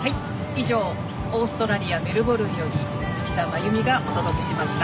以上オーストラリアメルボルンより内田真弓がお届けしました。